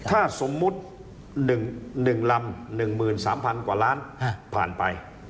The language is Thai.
ถ้าสมมุติ๑ลำ๑๓๐๐๐กว่าล้านผ่านไป